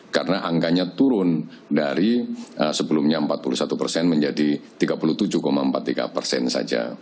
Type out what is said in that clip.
karena angkanya turun dari sebelumnya empat puluh satu persen menjadi tiga puluh tujuh empat puluh tiga persen saja